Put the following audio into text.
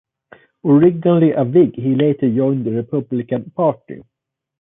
Originally a Whig, he later joined the Republican Party.